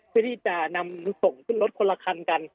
ก็จะนำส่งรถเพื่อนละคันกัน